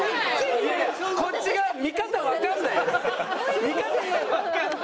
いやいやこっち側見方がわかんない。